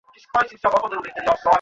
শুরু করুন, mister Flynn.